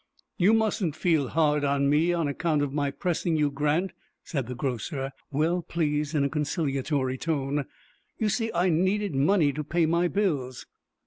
"You mustn't feel hard on me on account of my pressing you, Grant," said the grocer, well pleased, in a conciliatory tone. "You see, I needed money to pay my bills."